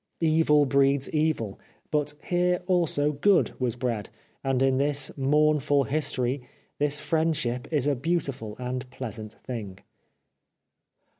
Evil breeds evil ; but here also good was bred, and in this mournful his tory this friendship is a beautiful and pleasant thing.